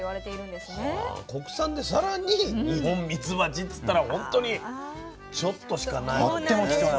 国産で更にニホンミツバチっていったら本当にちょっとしかないんですね。